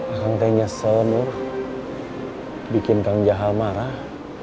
akang teh nyesel nur bikin kang jahal marah